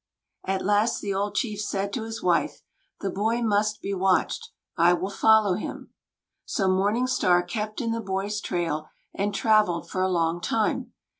At last the old chief said to his wife: "The boy must be watched. I will follow him." So Morning Star kept in the boy's trail, and travelled for a long time.